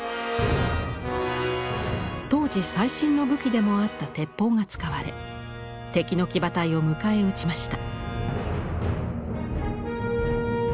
当時最新の武器でもあった鉄砲が使われ敵の騎馬隊を迎え撃ちました。